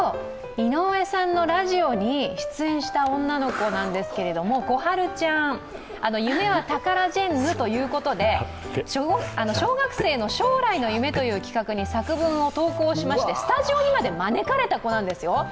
井上さんのラジオに出演した女の子なんですけども、心陽ちゃん、夢はタカラジェンヌということで小学生の将来の夢という企画に作文を投稿しましてスタジオにまで招かれた子なんですよ。